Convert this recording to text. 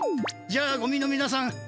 じゃあごみのみなさん